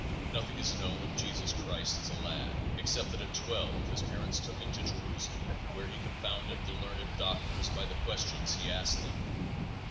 Nothing is known of Jesus Christ as a lad except that at twelve his parents took him to Jerusalem, where he confounded the learned doctors by the questions he asked them.